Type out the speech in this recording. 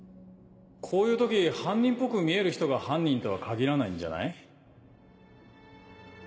こういう時犯人っぽく見える人が犯人とは限らないんじゃない？